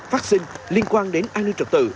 phát sinh liên quan đến an ninh trật tự